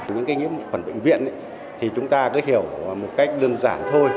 những cái nhiễm khuẩn bệnh viện thì chúng ta cứ hiểu một cách đơn giản thôi